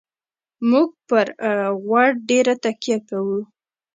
موږ پر غوړ ډېره تکیه کوو.